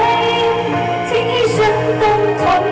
ขอบคุณทุกเรื่องราว